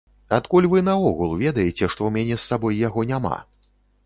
Адкуль вы наогул ведаеце, што ў мяне з сабой яго няма?